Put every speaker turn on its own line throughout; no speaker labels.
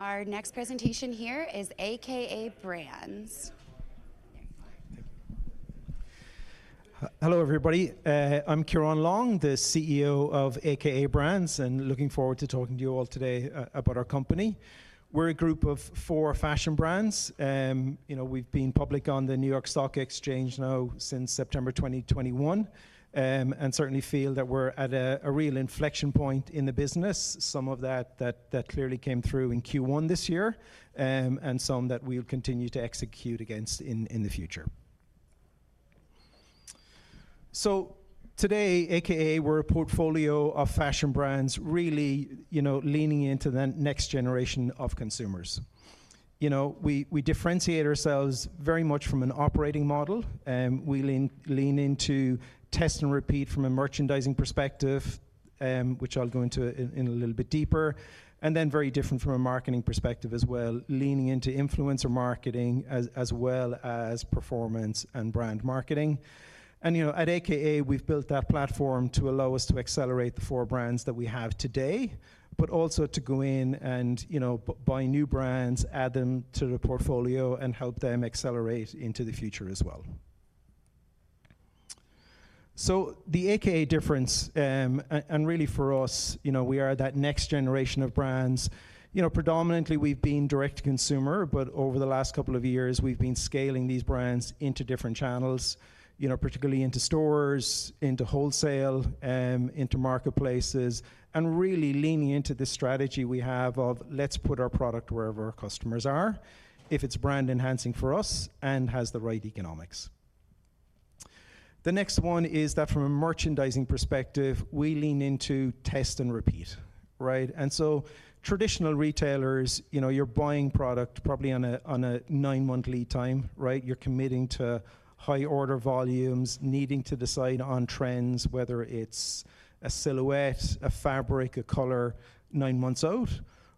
Our next presentation here is a.k.a. Brands.
Hello, everybody. I'm Ciaran Long, the CEO of a.k.a. Brands, looking forward to talking to you all today about our company. We're a group of four fashion brands. We've been public on the New York Stock Exchange now since September 2021, certainly feel that we're at a real inflection point in the business. Some of that clearly came through in Q1 this year, some that we'll continue to execute against in the future. Today, a.k.a., we're a portfolio of fashion brands really leaning into the next generation of consumers. We differentiate ourselves very much from an operating model. We lean into test and repeat from a merchandising perspective, which I'll go into in a little bit deeper, and then very different from a marketing perspective as well, leaning into influencer marketing as well as performance and brand marketing. At a.k.a., we've built that platform to allow us to accelerate the four brands that we have today, but also to go in and buy new brands, add them to the portfolio, and help them accelerate into the future as well. The a.k.a. difference, really for us, we are that next generation of brands. Predominantly, we've been direct-to-consumer, but over the last couple of years, we've been scaling these brands into different channels, particularly into stores, into wholesale, into marketplaces, and really leaning into this strategy we have of let's put our product wherever our customers are, if it's brand-enhancing for us and has the right economics. The next one is that from a merchandising perspective, we lean into test and repeat. Right? Traditional retailers, you're buying product probably on a nine-month lead time. Right? You're committing to high order volumes, needing to decide on trends, whether it's a silhouette, a fabric, a color, nine months out.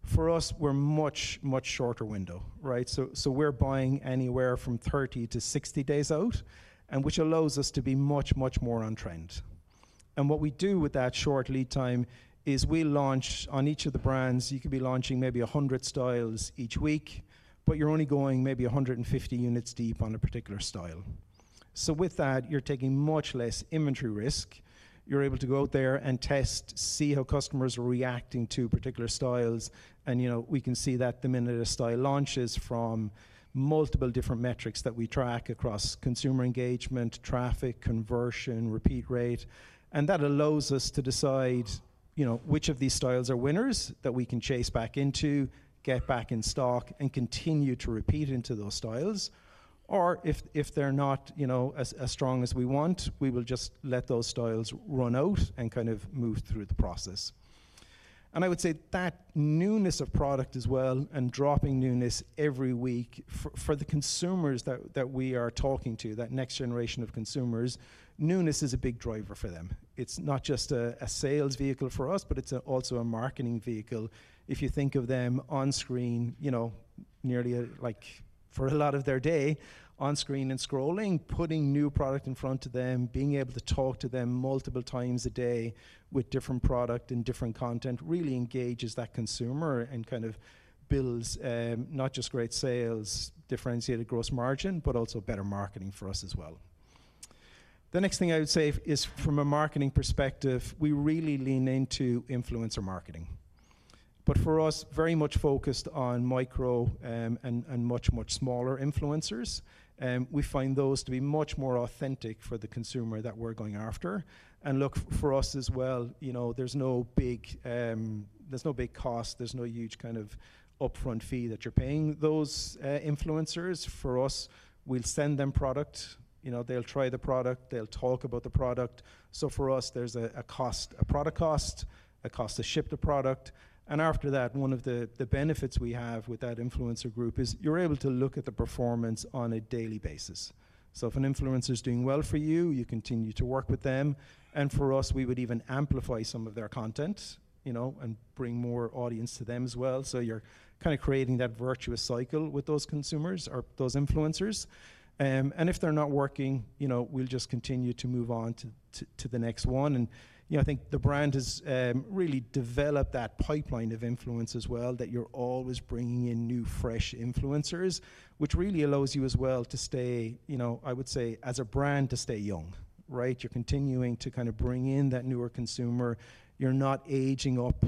For us, we're much, much shorter window. Right? We're buying anywhere from 30 to 60 days out, which allows us to be much, much more on trend. What we do with that short lead time is we launch on each of the brands, you could be launching maybe 100 styles each week, but you're only going maybe 150 units deep on a particular style. With that, you're taking much less inventory risk. You're able to go out there and test, see how customers are reacting to particular styles, and we can see that the minute a style launches from multiple different metrics that we track across consumer engagement, traffic, conversion, repeat rate. That allows us to decide which of these styles are winners that we can chase back into, get back in stock, and continue to repeat into those styles. If they're not as strong as we want, we will just let those styles run out and kind of move through the process. I would say that newness of product as well, and dropping newness every week, for the consumers that we are talking to, that next generation of consumers, newness is a big driver for them. It's not just a sales vehicle for us, but it's also a marketing vehicle. If you think of them on screen, nearly for a lot of their day, on screen and scrolling, putting new product in front of them, being able to talk to them multiple times a day with different product and different content really engages that consumer and kind of builds not just great sales, differentiated gross margin, but also better marketing for us as well. The next thing I would say is from a marketing perspective, we really lean into influencer marketing. For us, very much focused on micro and much, much smaller influencers. We find those to be much more authentic for the consumer that we're going after. Look, for us as well, there's no big cost, there's no huge kind of upfront fee that you're paying those influencers. For us, we'll send them product. They'll try the product. They'll talk about the product. For us, there's a product cost, a cost to ship the product, and after that, one of the benefits we have with that influencer group is you're able to look at the performance on a daily basis. If an influencer's doing well for you continue to work with them. For us, we would even amplify some of their content, and bring more audience to them as well. You're kind of creating that virtuous cycle with those consumers or those influencers. If they're not working, we'll just continue to move on to the next one. I think the brand has really developed that pipeline of influence as well, that you're always bringing in new, fresh influencers, which really allows you as well to stay, I would say, as a brand, to stay young. Right? You're continuing to kind of bring in that newer consumer. You're not aging up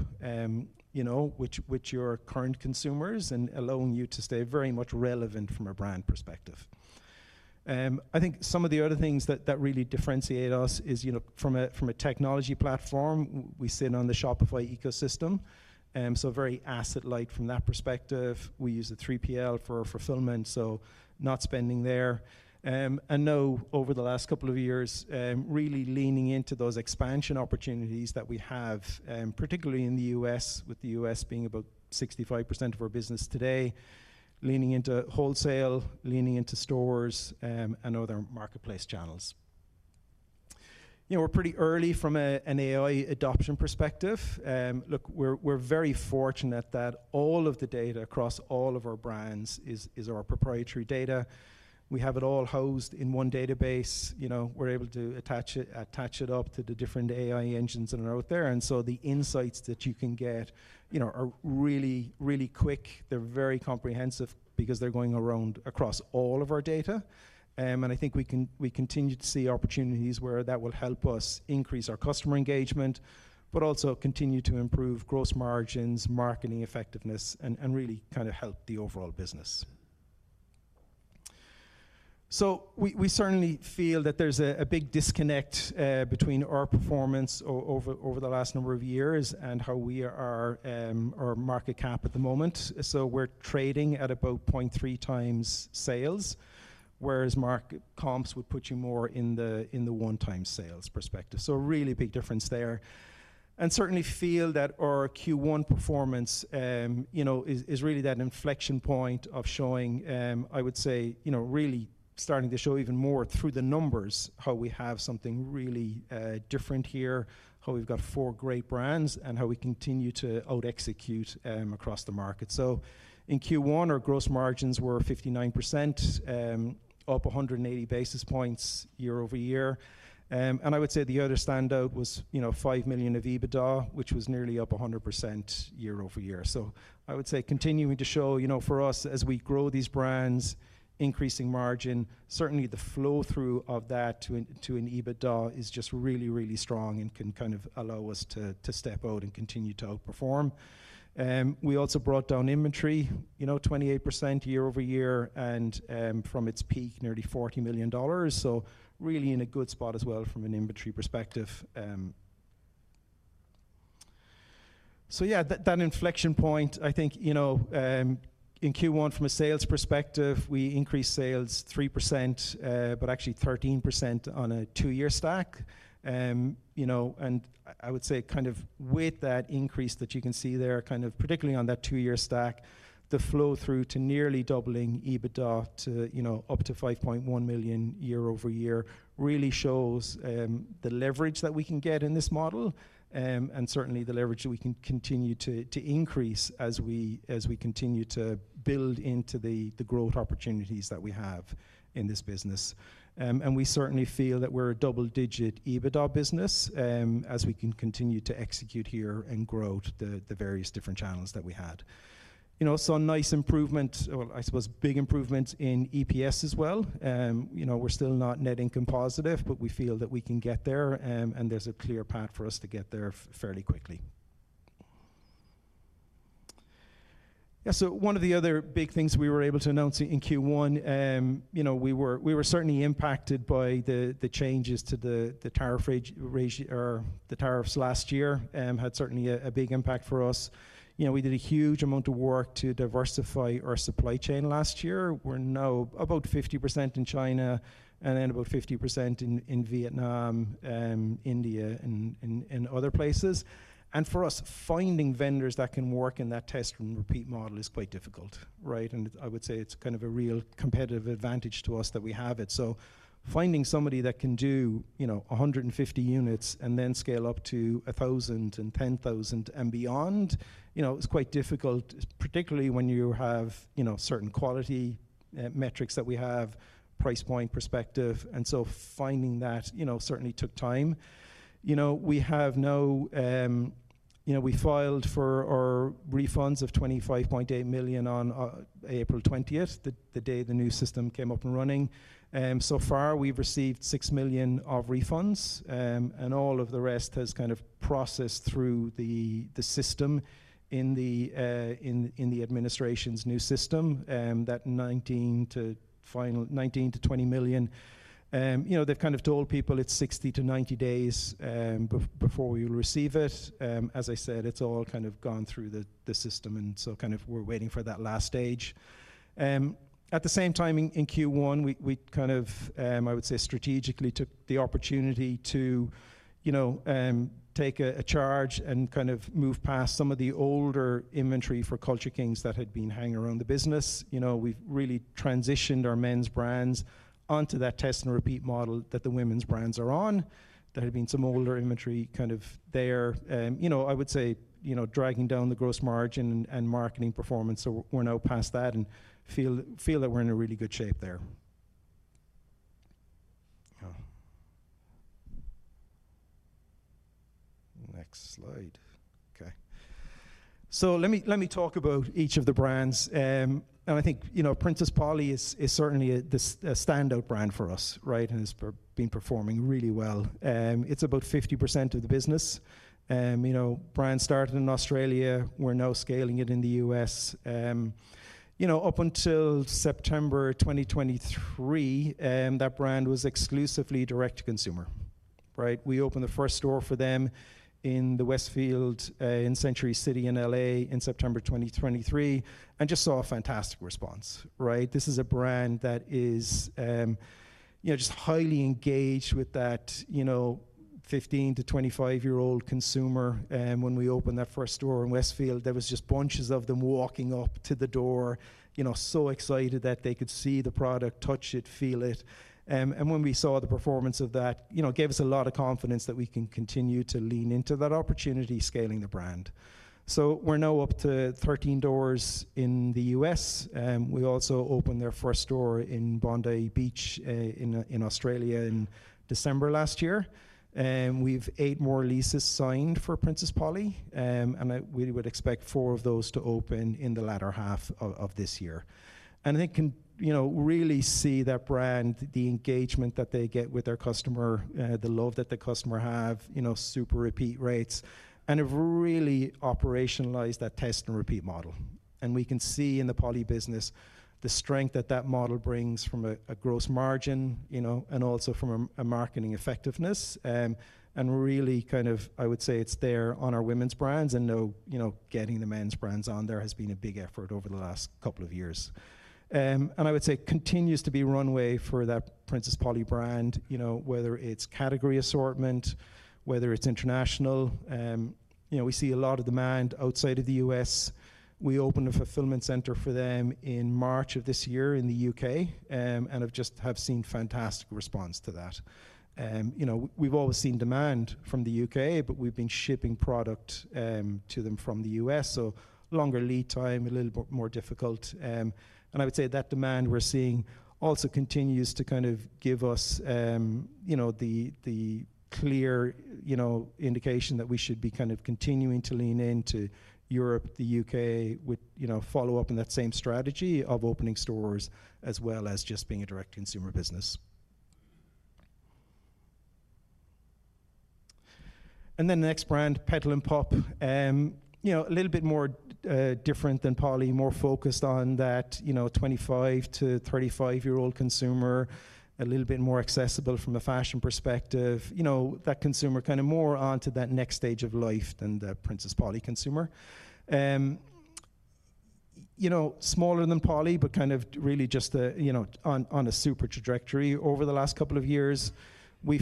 with your current consumers and allowing you to stay very much relevant from a brand perspective. I think some of the other things that really differentiate us is from a technology platform, we sit on the Shopify ecosystem. Very asset light from that perspective. We use the 3PL for fulfillment, so not spending there. Now, over the last couple of years, really leaning into those expansion opportunities that we have, particularly in the U.S., with the U.S. being about 65% of our business today, leaning into wholesale, leaning into stores, and other marketplace channels. We're pretty early from an AI adoption perspective. Look, we're very fortunate that all of the data across all of our brands is our proprietary data. We have it all housed in one database. We're able to attach it up to the different AI engines that are out there. The insights that you can get are really quick. They're very comprehensive because they're going around across all of our data. I think we continue to see opportunities where that will help us increase our customer engagement, but also continue to improve gross margins, marketing effectiveness, and really kind of help the overall business. We certainly feel that there's a big disconnect between our performance over the last number of years and our market cap at the moment. We're trading at about 0.3 times sales, whereas market comps would put you more in the one-time sales perspective. A really big difference there. Certainly feel that our Q1 performance is really that inflection point of showing, I would say, really starting to show even more through the numbers how we have something really different here, how we've got four great brands, and how we continue to out-execute across the market. In Q1, our gross margins were 59%, up 180 basis points year-over-year. I would say the other standout was $5 million of EBITDA, which was nearly up 100% year-over-year. I would say continuing to show for us as we grow these brands, increasing margin, certainly the flow-through of that to an EBITDA is just really, really strong and can kind of allow us to step out and continue to outperform. We also brought down inventory 28% year-over-year and from its peak, nearly $40 million. Really in a good spot as well from an inventory perspective. Yeah, that inflection point, I think, in Q1 from a sales perspective, we increased sales 3%, but actually 13% on a two-year stack. I would say kind of with that increase that you can see there kind of particularly on that two-year stack, the flow-through to nearly doubling EBITDA up to $5.1 million year-over-year really shows the leverage that we can get in this model and certainly the leverage that we can continue to increase as we continue to build into the growth opportunities that we have in this business. We certainly feel that we're a double-digit EBITDA business as we can continue to execute here and grow the various different channels that we had. A nice improvement or I suppose big improvements in EPS as well. We're still not net income positive, but we feel that we can get there, and there's a clear path for us to get there fairly quickly. Yeah. One of the other big things we were able to announce in Q1, we were certainly impacted by the changes to the tariffs last year, had certainly a big impact for us. We did a huge amount of work to diversify our supply chain last year. We're now about 50% in China and then about 50% in Vietnam, India, and other places. For us, finding vendors that can work in that test and repeat model is quite difficult, right? I would say it's kind of a real competitive advantage to us that we have it. Finding somebody that can do 150 units and then scale up to 1,000 and 10,000 and beyond is quite difficult, particularly when you have certain quality metrics that we have, price point perspective. Finding that certainly took time. We filed for our refunds of $25.8 million on April 20th, the day the new system came up and running. So far, we've received $6 million of refunds, and all of the rest has kind of processed through the system in the administration's new system, that $19 million-$20 million. They've kind of told people it's 60 to 90 days before we'll receive it. As I said, it's all kind of gone through the system. We're waiting for that last stage. At the same time, in Q1, we kind of, I would say, strategically took the opportunity to take a charge and kind of move past some of the older inventory for Culture Kings that had been hanging around the business. We've really transitioned our men's brands onto that test and repeat model that the women's brands are on. There had been some older inventory kind of there, I would say, dragging down the gross margin and marketing performance. We're now past that and feel that we're in a really good shape there. Next slide. Okay. Let me talk about each of the brands. I think Princess Polly is certainly a standout brand for us, right? It's been performing really well. It's about 50% of the business. Brand started in Australia. We're now scaling it in the U.S. Up until September 2023, that brand was exclusively direct-to-consumer. We opened the first store for them in the Westfield in Century City in L.A. in September 2023 and just saw a fantastic response. This is a brand that is just highly engaged with that 15 to 25-year-old consumer. When we opened that first store in Westfield, there was just bunches of them walking up to the door, so excited that they could see the product, touch it, feel it. When we saw the performance of that, it gave us a lot of confidence that we can continue to lean into that opportunity, scaling the brand. We're now up to 13 doors in the U.S. We also opened their first store in Bondi Beach, in Australia in December last year, and we've eight more leases signed for Princess Polly. We would expect four of those to open in the latter half of this year. I think can really see that brand, the engagement that they get with their customer, the love that the customer have, super repeat rates, and have really operationalized that test and repeat model. We can see in the Polly business the strength that that model brings from a gross margin, and also from a marketing effectiveness. Really, I would say it's there on our women's brands and now getting the men's brands on there has been a big effort over the last couple of years. I would say continues to be runway for that Princess Polly brand, whether it's category assortment, whether it's international. We see a lot of demand outside of the U.S. We opened a fulfillment center for them in March of this year in the U.K., and have just seen fantastic response to that. We've always seen demand from the U.K., but we've been shipping product to them from the U.S., so longer lead time, a little bit more difficult. I would say that demand we're seeing also continues to give us the clear indication that we should be continuing to lean into Europe, the U.K., with follow-up in that same strategy of opening stores as well as just being a direct-to-consumer business. The next brand, Petal & Pup. A little bit more different than Polly, more focused on that 25- to 35-year-old consumer, a little bit more accessible from a fashion perspective. That consumer more onto that next stage of life than the Princess Polly consumer. Smaller than Polly, but really just on a super trajectory over the last couple of years. We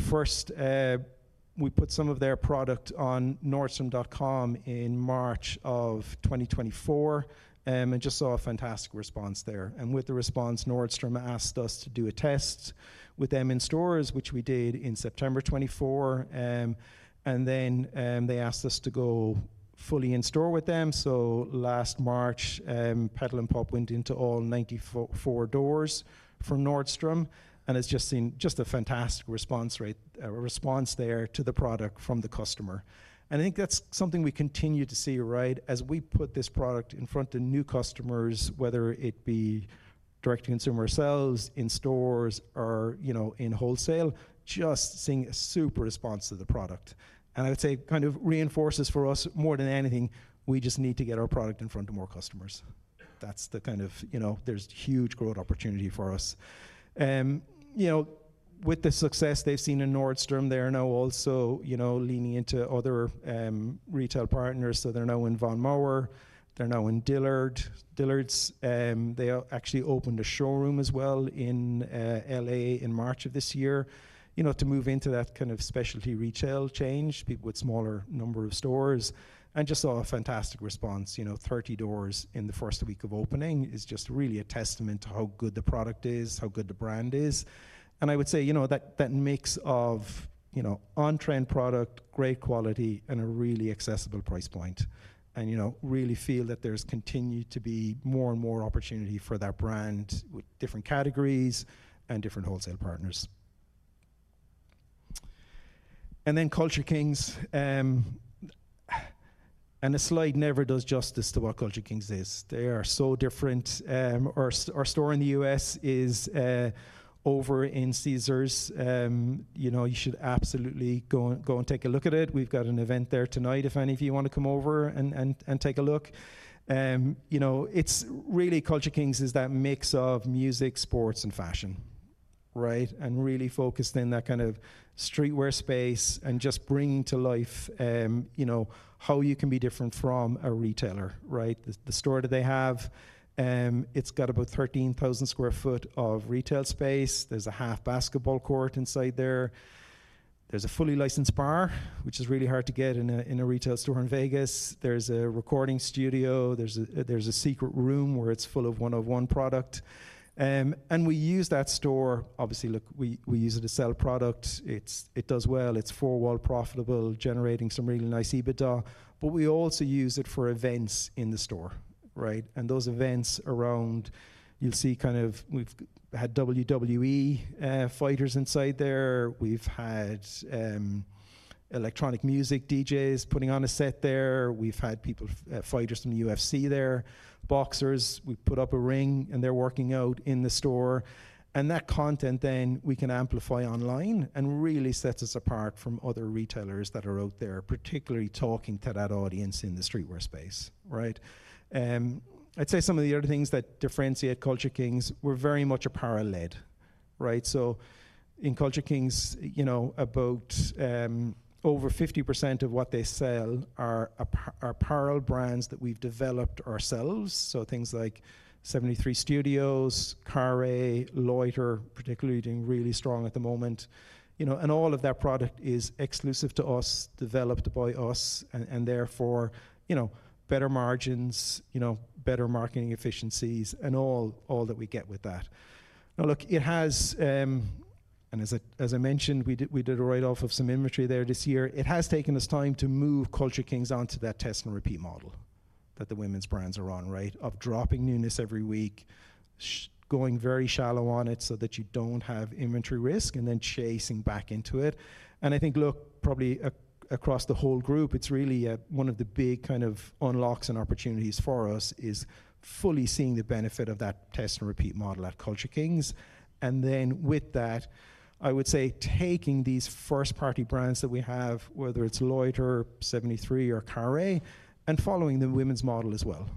put some of their product on Nordstrom.com in March 2024, just saw a fantastic response there. With the response, Nordstrom asked us to do a test with them in stores, which we did in September 2024. They asked us to go fully in store with them. Last March, Petal & Pup went into all 94 doors for Nordstrom and has just seen just a fantastic response there to the product from the customer. I think that's something we continue to see as we put this product in front of new customers, whether it be direct-to-consumer ourselves, in stores, or in wholesale, just seeing a super response to the product. I would say reinforces for us more than anything, we just need to get our product in front of more customers. There's huge growth opportunity for us. With the success they've seen in Nordstrom, they're now also leaning into other retail partners. They're now in Von Maur, they're now in Dillard's. They actually opened a showroom as well in L.A. in March this year, to move into that specialty retail change, people with smaller number of stores, just saw a fantastic response. 30 doors in the first week of opening is just really a testament to how good the product is, how good the brand is, I would say that mix of on-trend product, great quality, and a really accessible price point. Really feel that there's continued to be more and more opportunity for that brand with different categories and different wholesale partners. Then Culture Kings. A slide never does justice to what Culture Kings is. They are so different. Our store in the U.S. is over in Caesars. You should absolutely go and take a look at it. We've got an event there tonight if any of you want to come over and take a look. Culture Kings is that mix of music, sports, and fashion, really focused in that streetwear space and just bringing to life how you can be different from a retailer. The store that they have, it's got about 13,000 sq ft of retail space. There's a half basketball court inside there. There's a fully licensed bar, which is really hard to get in a retail store in Vegas. There's a recording studio. There's a secret room where it's full of one-of-one product. We use that store, obviously, we use it to sell product. It does well. It's four-wall profitable, generating some really nice EBITDA. We also use it for events in the store. Those events around, you'll see kind of we've had WWE fighters inside there. We've had electronic music DJs putting on a set there. We've had fighters from the UFC there, boxers. We've put up a ring, and they're working out in the store. That content then we can amplify online and really sets us apart from other retailers that are out there, particularly talking to that audience in the streetwear space. I'd say some of the other things that differentiate Culture Kings, we're very much apparel-led. In Culture Kings, about over 50% of what they sell are apparel brands that we've developed ourselves. Things like Seventy Three Studios, Carré, Loiter, particularly doing really strong at the moment. All of that product is exclusive to us, developed by us, and therefore, better margins, better marketing efficiencies, and all that we get with that. Now, look, as I mentioned, we did a write-off of some inventory there this year. It has taken us time to move Culture Kings onto that test and repeat model that the women's brands are on. Of dropping newness every week, going very shallow on it so that you don't have inventory risk, and then chasing back into it. I think, look, probably across the whole group, it's really one of the big kind of unlocks and opportunities for us is fully seeing the benefit of that test and repeat model at Culture Kings. Then with that, I would say taking these first-party brands that we have, whether it's Loiter, Seventy Three, or Carré, and following the women's model as well.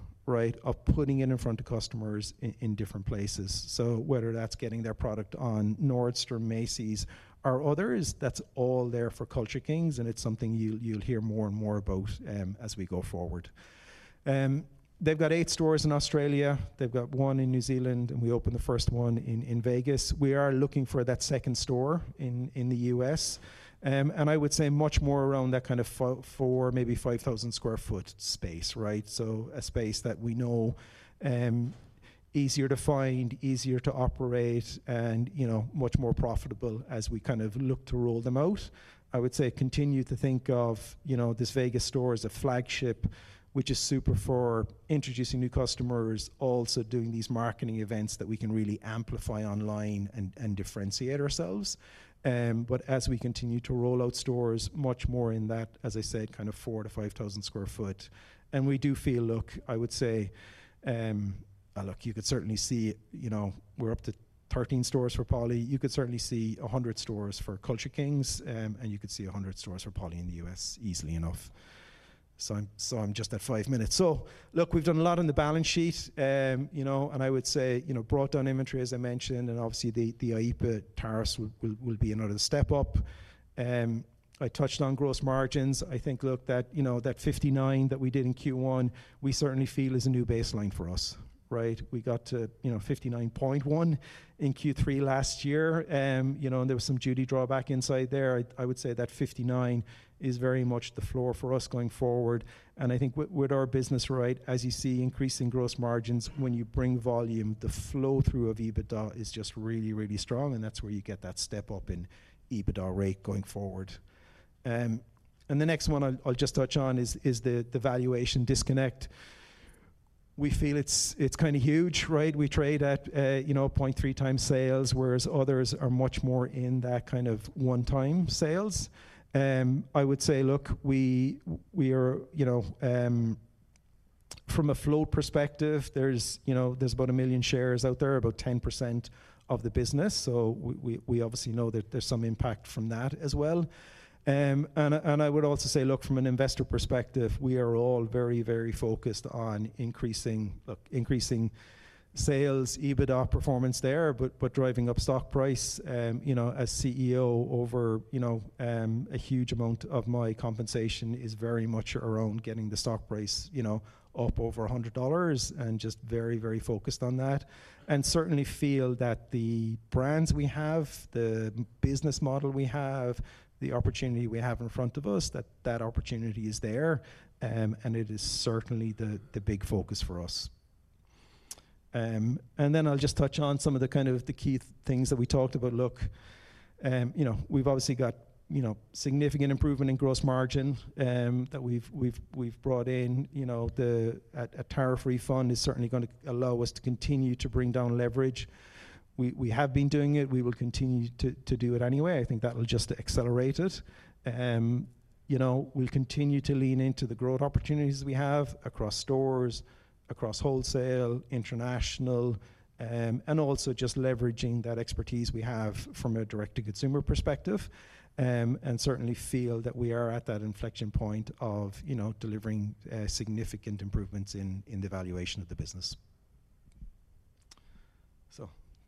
Of putting it in front of customers in different places. Whether that's getting their product on Nordstrom, Macy's, or others, that's all there for Culture Kings, and it's something you'll hear more and more about as we go forward. They've got eight stores in Australia. They've got one in New Zealand, and we opened the first one in Vegas. We are looking for that second store in the U.S. I would say much more around that kind of 4,000, maybe 5,000 sq ft space. A space that we know easier to find, easier to operate, and much more profitable as we kind of look to roll them out. I would say continue to think of this Vegas store as a flagship, which is super for introducing new customers, also doing these marketing events that we can really amplify online and differentiate ourselves. As we continue to roll out stores much more in that, as I said, kind of 4,000 to 5,000 sq ft. We do feel, look, I would say, you could certainly see we're up to 13 stores for Polly. You could certainly see 100 stores for Culture Kings, and you could see 100 stores for Polly in the U.S. easily enough. I'm just at five minutes. Look, we've done a lot on the balance sheet. I would say, brought down inventory, as I mentioned, and obviously the IEEPA tariffs will be another step up. I touched on gross margins. I think, look, that 59 that we did in Q1, we certainly feel is a new baseline for us. We got to 59.1 in Q3 last year. There was some duty drawback inside there. I would say that 59 is very much the floor for us going forward. I think with our business, as you see increasing gross margins, when you bring volume, the flow-through of EBITDA is just really, really strong, and that's where you get that step-up in EBITDA rate going forward. The next one I'll just touch on is the valuation disconnect. We feel it's kind of huge. We trade at 0.3x sales, whereas others are much more in that kind of 1x sales. I would say, look, from a flow perspective, there's about 1 million shares out there, about 10% of the business. We obviously know that there's some impact from that as well. I would also say, look, from an investor perspective, we are all very focused on increasing sales, EBITDA performance there, but driving up stock price. As CEO, a huge amount of my compensation is very much around getting the stock price up over $100 and just very focused on that. Certainly feel that the brands we have, the business model we have, the opportunity we have in front of us, that opportunity is there, and it is certainly the big focus for us. Then I'll just touch on some of the kind of the key things that we talked about. Look, we've obviously got significant improvement in gross margin that we've brought in. A tariff refund is certainly going to allow us to continue to bring down leverage. We have been doing it. We will continue to do it anyway. I think that'll just accelerate it. We'll continue to lean into the growth opportunities we have across stores, across wholesale, international, and also just leveraging that expertise we have from a direct-to-consumer perspective. And certainly feel that we are at that inflection point of delivering significant improvements in the valuation of the business.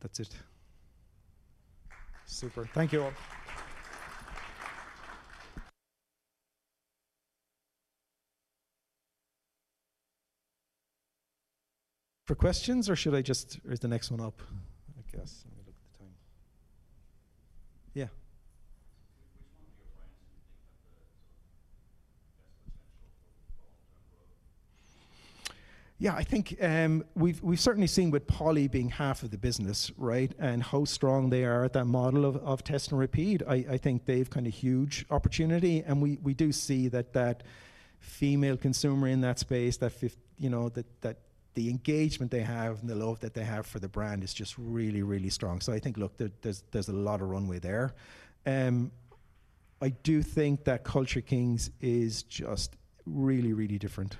That's it. Super. Thank you all. For questions, or is the next one up? I guess. Let me look at the time. Yeah.
Which one of your brands do you think have the sort of best potential for long-term growth?
I think we've certainly seen with Polly being half of the business, and how strong they are at that model of test and repeat, I think they've kind of huge opportunity, and we do see that that female consumer in that space, the engagement they have and the love that they have for the brand is just really strong. I think, look, there's a lot of runway there. I do think that Culture Kings is just really different.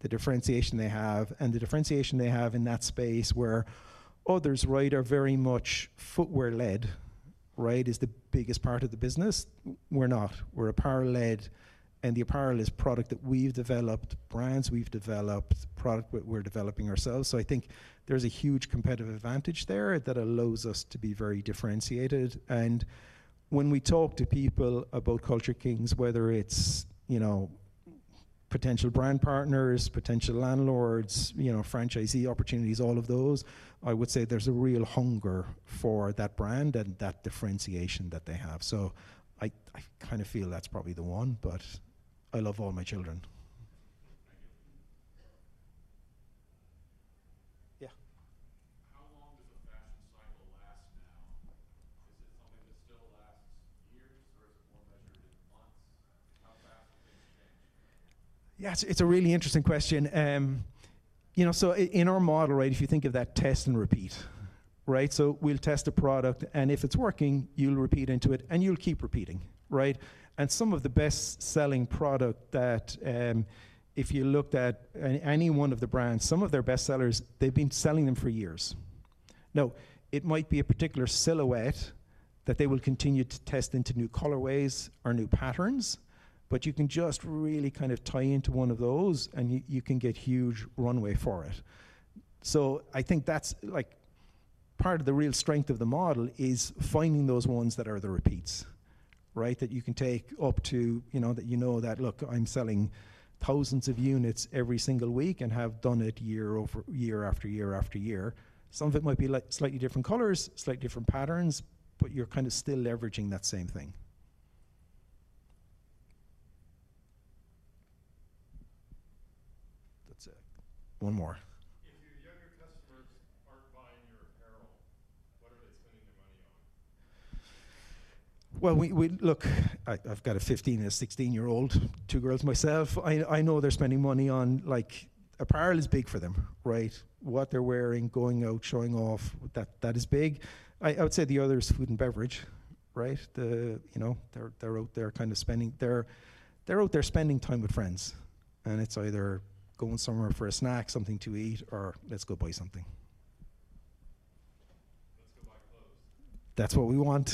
The differentiation they have, and the differentiation they have in that space where others are very much footwear-led is the biggest part of the business. We're not. We're apparel-led, and the apparel is product that we've developed, brands we've developed, product we're developing ourselves. I think there's a huge competitive advantage there that allows us to be very differentiated. When we talk to people about Culture Kings, whether it's potential brand partners, potential landlords, franchisee opportunities, all of those, I would say there's a real hunger for that brand and that differentiation that they have. I feel that's probably the one, but I love all my children.
Thank you.
Yeah.
How long does a fashion cycle last now? Is it something that still lasts years, or is it more measured in months? How fast are things changing?
Yes, it's a really interesting question. In our model, if you think of that test and repeat. We'll test a product, and if it's working, you'll repeat into it, and you'll keep repeating. Some of the best-selling product that if you looked at any one of the brands, some of their best sellers, they've been selling them for years. Now, it might be a particular silhouette that they will continue to test into new colorways or new patterns, but you can just really tie into one of those, and you can get huge runway for it. I think that's part of the real strength of the model is finding those ones that are the repeats. That you can take up to, that you know that, look, I'm selling thousands of units every single week and have done it year after year after year. Some of it might be slightly different colors, slightly different patterns, but you're still leveraging that same thing. That's it. One more.
If your younger customers aren't buying your apparel, what are they spending their money on?
Well, look, I've got a 15- and a 16-year-old, two girls myself. I know they're spending money on apparel is big for them. What they're wearing, going out, showing off, that is big. I would say the other is food and beverage. They're out there spending time with friends, and it's either going somewhere for a snack, something to eat, or let's go buy something.
Let's go buy clothes.
That's what we want.